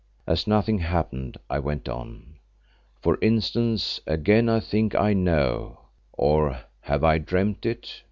As nothing happened, I went on, "For instance, again I think I know—or have I dreamed it?